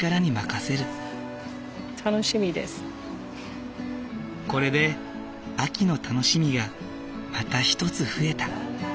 これで秋の楽しみがまた一つ増えた。